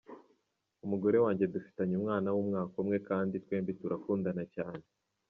Umugore wanjye dufitanye umwana w’ umwaka umwe kandi twembi turakundana cyane.